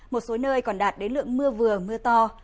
một số nơi còn đạt đến lượng mưa vừa mưa to